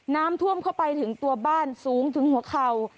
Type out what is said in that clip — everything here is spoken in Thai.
น้ำท่วมเข้าไปถึงตัวบ้านสูงถึงหัวเข่า